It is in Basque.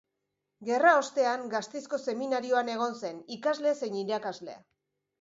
Gerraostean, Gasteizko seminarioan egon zen, ikasle zein irakasle.